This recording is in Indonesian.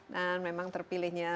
dan memang terpilihnya